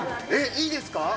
いいですか？